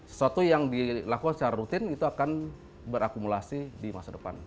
sesuatu yang dilakukan secara rutin itu akan berakumulasi di masa depan